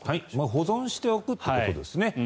保存しておくということですね。